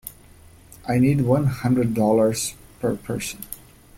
I need one hundred dollars per person.